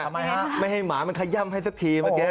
ทำไมฮะไม่ให้หมามันขย่ำให้สักทีเมื่อกี้